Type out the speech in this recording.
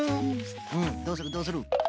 うんどうするどうする？